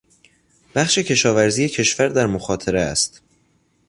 بخش کشاورزی کشور در مخاطره است.